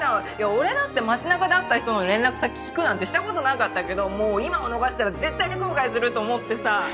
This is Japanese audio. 俺だって街中で会った人の連絡先聞くなんてしたことなかったけどもう今を逃したら絶対に後悔すると思ってさ。